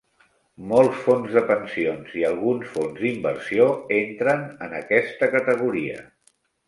Molts fons de pensions, i alguns fons d'inversió, entren en aquesta categoria.